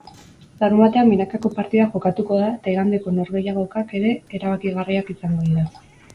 Larunbatean binakako partida jokatuko da eta igandeko norgehiagokak ere erabakigarriak izango dira.